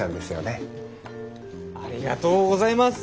ありがとうございます。